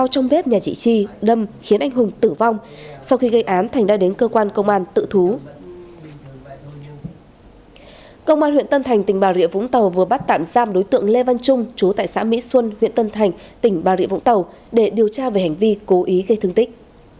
công an huyện tân thành tỉnh bà rịa vũng tàu vừa bắt tạm giam đối tượng lê văn trung chú tại xã mỹ xuân huyện tân thành tỉnh bà rịa vũng tàu để điều tra về hành vi cố ý gây thương tích